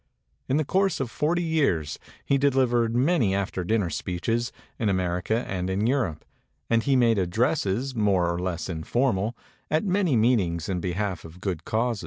In the course of forty years he delivered many after dinner sp< America and in Europe, and he made addresses, more or less informal, at many m i behalf of good causes.